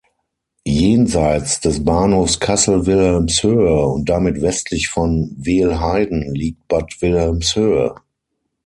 Jenseits des Bahnhofs Kassel-Wilhelmshöhe und damit westlich von Wehlheiden liegt Bad Wilhelmshöhe.